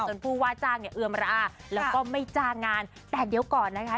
ผู้ว่าจ้างเนี่ยเอือมระอาแล้วก็ไม่จ้างงานแต่เดี๋ยวก่อนนะคะ